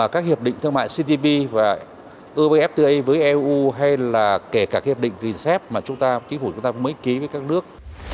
các hiệp định thương mại ctv ubfta với eu hay kể cả hiệp định rinsep mà chính phủ chúng ta mới ký với các nước